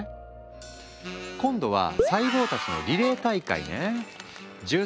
今度は細胞たちのリレー大会ね。